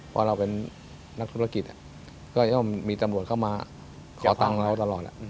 พอเราเป็นนักธุรกิจก็ย่อมมีตำรวจเข้ามาขอตังค์เราตลอด